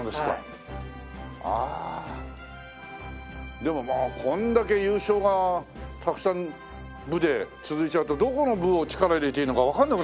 でもまあこれだけ優勝がたくさん部で続いちゃうとどこの部を力入れていいのかわかんなくなりますね。